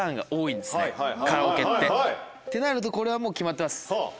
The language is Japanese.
カラオケって。ってなるとこれはもう決まってます。